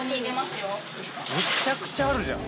めちゃくちゃあるじゃん。